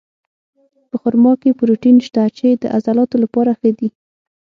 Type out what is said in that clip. په خرما کې پروټین شته، چې د عضلاتو لپاره ښه دي.